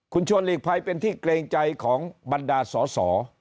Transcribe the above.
คุณชวนหลีกภัยเป็นที่เกรงใจของบรรดาสอสอ